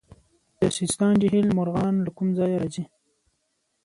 د سیستان جهیل مرغان له کوم ځای راځي؟